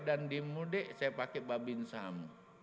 dan di mude saya pakai babinsam